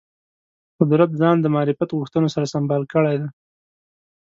قدرت ځان د معرفت غوښتنو سره سمبال کړی دی